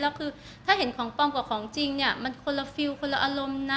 แล้วคือถ้าเห็นของปลอมกว่าของจริงเนี่ยมันคนละฟิลคนละอารมณ์นะ